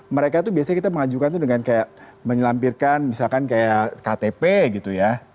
mereka tuh biasanya kita mengajukan tuh dengan kayak menyelampirkan misalkan kayak ktp gitu ya